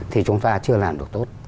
thì chúng ta chưa làm được tốt